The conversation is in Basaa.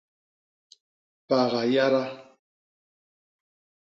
Paga yada.